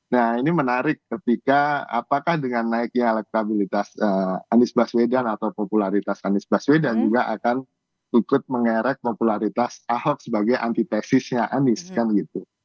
nah ini menarik ketika apakah dengan naiknya elektabilitas anies baswedan atau popularitas anies baswedan juga akan ikut mengerek popularitas ahok sebagai antitesisnya anies kan gitu